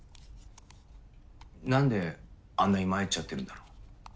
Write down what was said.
何であんなに参っちゃってるんだろう。